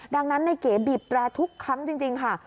ดังนั้นในเก๋บีบแตรทุกครั้งจริงค่ะ